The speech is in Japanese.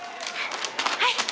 はい。